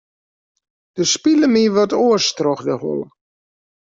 Der spile my wat oars troch de holle.